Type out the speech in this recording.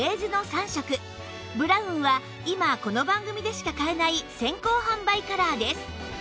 ブラウンは今この番組でしか買えない先行販売カラーです